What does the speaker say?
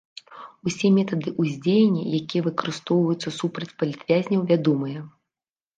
Усе метады ўздзеяння, якія выкарыстоўваюцца супраць палітвязняў, вядомыя.